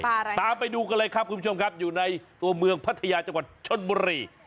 อะไรตามไปดูกันเลยครับคุณผู้ชมครับอยู่ในตัวเมืองพัทยาจังหวัดชนบุรี